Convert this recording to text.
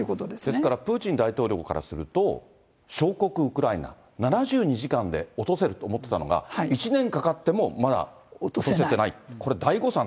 ですから、プーチン大統領からすると、小国ウクライナ、７２時間で落とせると思ってたのが、１年かかってもまだ落とせてない、これ大誤算。